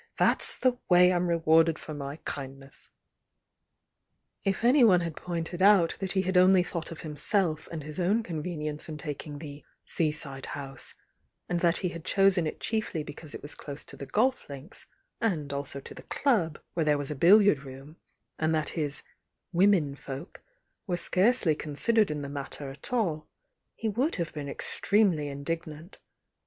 That's the way I'm rewarded for my kindness!" 4S THE YOUNG DIANA If anyone had pointed out that he had only thou^t of himself and his own convenience in taking the "seaside house," and that he had chosen it chiefly because it was close to the golf links and also to the Club, where there was a billiard room, and that his "women folk" were scarcely considered in the matter at all, he would have been extremely indignant.